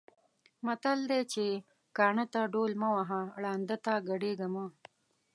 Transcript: متل دی چې: کاڼۀ ته ډول مه وهه، ړانده ته ګډېږه مه.